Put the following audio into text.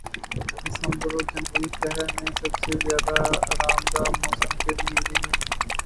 دسمبر اور جنوری شہر میں سب سے زیادہ آرام دہ موسم کے مہینے ہیں